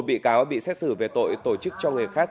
một bị cáo bị xét xử về tội tổ chức cho người khác